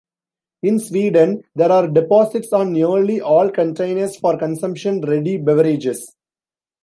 In Sweden, there are deposits on nearly all containers for consumption-ready beverages.